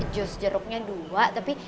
jus jeruknya dua tapi